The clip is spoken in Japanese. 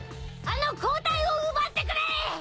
あの抗体を奪ってくれ！